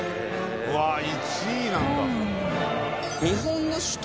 うわ１位なんだ。